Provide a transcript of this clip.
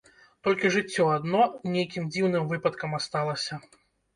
Толькі жыццё адно нейкім дзіўным выпадкам асталася.